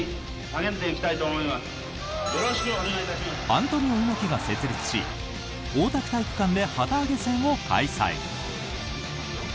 アントニオ猪木が設立し大田区体育館で旗揚げ戦を開催。